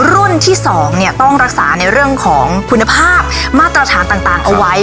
รุ่นที่๒ต้องรักษาในเรื่องของคุณภาพมาตรฐานต่างเอาไว้